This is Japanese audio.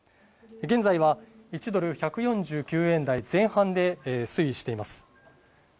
現在は、１ドル１４９円台前半で推移しています。